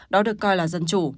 đó được coi là dân chủ